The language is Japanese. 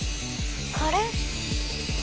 あれ？